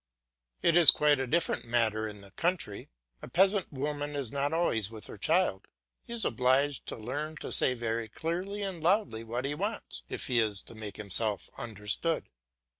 It is quite a different matter in the country. A peasant woman is not always with her child; he is obliged to learn to say very clearly and loudly what he wants, if he is to make himself understood.